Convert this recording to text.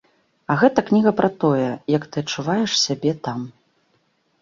А гэта кніга пра тое, як ты адчуваеш сябе там.